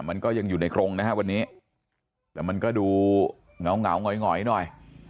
มันก็ยังอยู่ในกรงนะฮะวันนี้แต่มันก็ดูเหงาเหงาหงอยหน่อย